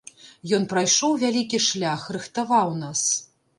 Ён прайшоў вялікі шлях, рыхтаваў нас.